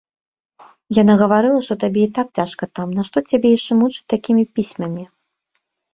Яна гаварыла, што табе і так цяжка там, нашто цябе яшчэ мучыць такімі пісьмамі.